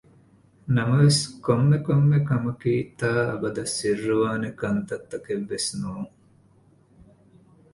ނަމަވެސް ކޮންމެ ކޮންމެ ކަމަކީ ތާ އަބަދަށް ސިއްރުވާނޭ ކަންތައް ތަކެއް ވެސް ނޫން